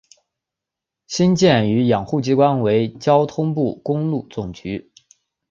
新建与养护机关为交通部公路总局。